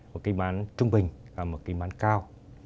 một kịch bản trung bình và một kịch bản cao